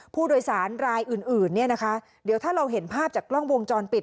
ผู้โดยสารรายอื่นอื่นเนี่ยนะคะเดี๋ยวถ้าเราเห็นภาพจากกล้องวงจรปิด